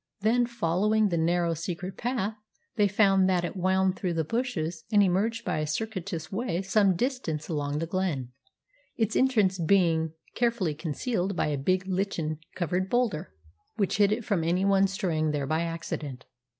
Then, following the narrow secret path, they found that it wound through the bushes, and emerged by a circuitous way some distance along the glen, its entrance being carefully concealed by a big lichen covered boulder which hid it from any one straying there by accident.